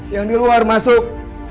yang di luar masuk